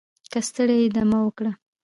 که ستړی یې دمه وکړه